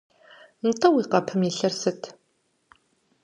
- Нтӏэ уи къэпым илъыр сыт?